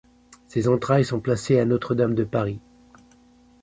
Ses entrailles sont placées à Notre-Dame de Paris.